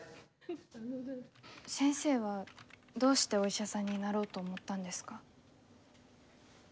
先生は、どうしてお医者さんになろうと思ったんですか？